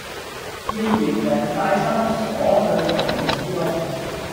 要連人帶心鎖進牢獄之中！